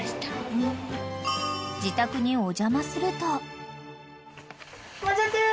［自宅にお邪魔すると］